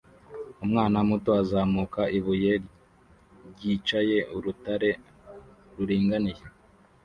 Umwana muto uzamuka ibuye ryicaye urutare ruringaniye